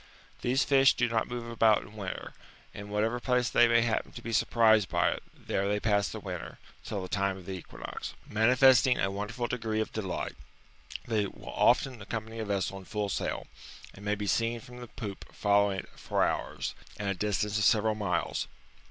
These fish do not move about in winter ;°^ in whatever place they may hap pen to be surprised by it, there they pass the winter, till the time of the equinox. Manifesting a wonderful degree of delight, they will often accompany a vessel in full sail, and may be seen from the poop following it for hours, and a distance of several miles.